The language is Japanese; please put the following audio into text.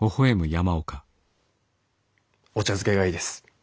お茶漬けがいいです。